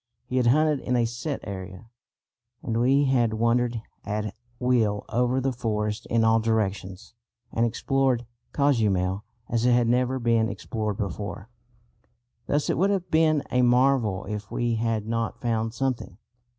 ] He had hunted in a set area, and we had wandered at will over the forest in all directions and explored Cozumel as it had never been explored before. Thus it would have been a marvel if we had not found something.